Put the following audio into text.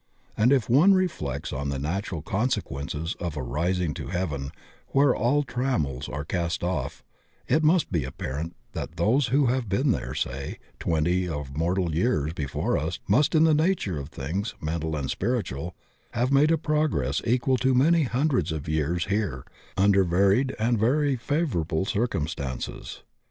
And if one reflects on the natural consequences of arising to heaven where all trammels are cast off, it must be apparent that those who have been there, say, twenty of mortal years before us must, in the nature of things mental and spiritual, have made a progress equal to many hundreds of years here under varied and very favorable circumstances.